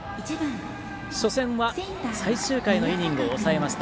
初戦は最終回のイニングを抑えました。